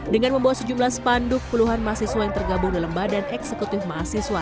dengan membawa sejumlah spanduk puluhan mahasiswa yang tergabung dalam badan eksekutif mahasiswa